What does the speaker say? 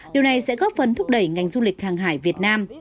điều này sẽ góp phần thúc đẩy ngành du lịch hàng hải việt nam